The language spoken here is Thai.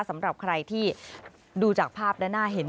สำหรับใครที่ดูจากภาพด้านหน้าเห็น